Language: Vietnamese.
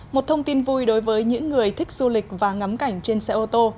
một thông tin vui đối với những người thích du lịch và ngắm cảnh trên xe ô tô